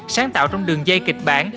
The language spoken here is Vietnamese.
sáng tạo trong đường dây kịch bản